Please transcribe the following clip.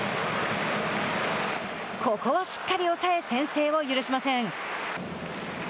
ここはしっかり抑え先制を許しません。